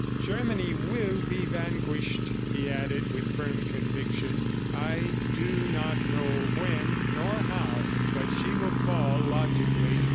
"Germany will be vanquished," he added with firm conviction. "I do not know when nor how, but she will fall logically.